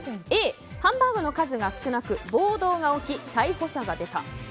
Ａ、ハンバーグの数が少なく暴動が起き、逮捕者が出た。